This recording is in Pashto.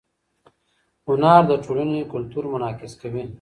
هنر د ټولنې کلتور منعکس کوي.